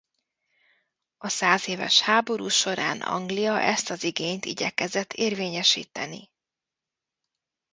A százéves háború során Anglia ezt az igényt igyekezett érvényesíteni.